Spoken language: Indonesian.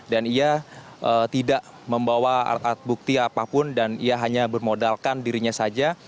dan ia tidak membawa art art bukti apapun dan ia hanya bermodalkan dirinya saja